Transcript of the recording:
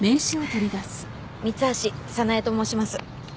三橋早苗と申します。